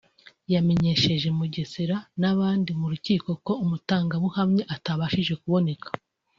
yamenyesheje Mugesera n’abari mu rukiko ko umutangabuhamya atabashije kuboneka